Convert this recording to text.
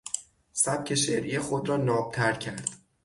سبک شعری خود را نابتر کرد.